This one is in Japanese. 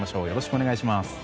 よろしくお願いします。